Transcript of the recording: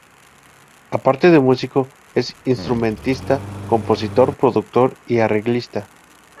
Aparte de músico es instrumentista, compositor, productor y arreglista.